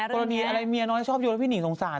ตอนนี้อะไรเมียน้อยชอบอยู่แล้วพี่นิ้งสงสารนะ